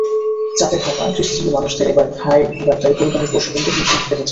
চাপে থাকা কৃষিজীবী মানুষদের এবার তাই কোরবানির পশু কিনতে হিমশিম খেতে হচ্ছে।